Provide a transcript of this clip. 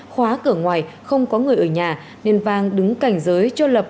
khóa cửa ngoài không có người ở nhà nên vang đứng cạnh dưới cho lập